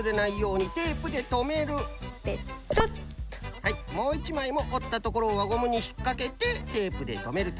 はいもう１まいもおったところをわゴムにひっかけてテープでとめると。